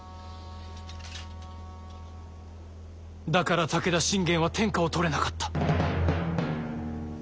だから武田信玄は天下を取れなかった。